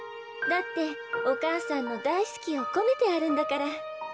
だってお母さんの大好きを込めてあるんだから。